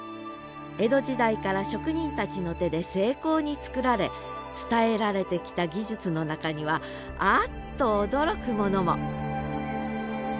江戸時代から職人たちの手で精巧に作られ伝えられてきた技術の中にはあっと驚くものも！